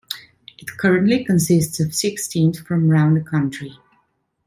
It currently consists of six teams from around the country.